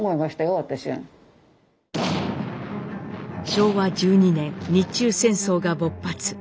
昭和１２年日中戦争が勃発。